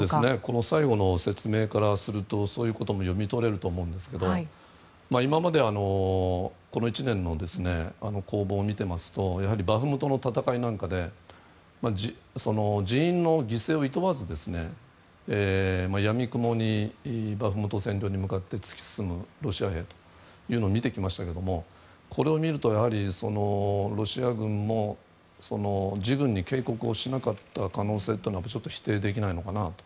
この最後の説明からするとそういうことも読み取れると思うんですけども今まで、この１年の攻防を見ていますとやはりバフムトの戦いなんかで人員の犠牲をいとわずやみくもにバフムト戦闘に向かって突き進むロシア兵というのを見てきましたけどこれを見ると、やはりロシア軍も自軍に警告をしなかった可能性は否定できないのかなと。